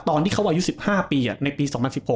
ตอนที่เขาอายุ๑๕ปีในปี๒๐๑๖